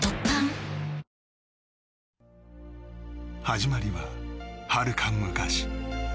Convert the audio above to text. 始まりは、はるか昔。